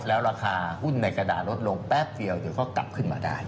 แล้วราคาหุ้นในกระดาษลดลงแป๊บเดียวเดี๋ยวก็กลับขึ้นมาได้